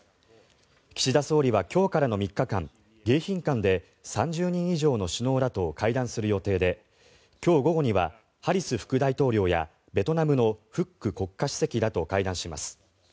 岸田総理は今日からの３日間迎賓館で３０人以上の首脳らと会談する予定で今日午後にはハリス副大統領やベトナムのフック国家主席らと会談します。